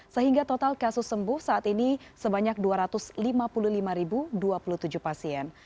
sehingga total kasus sembuh saat ini sebanyak dua ratus lima puluh lima dua puluh tujuh pasien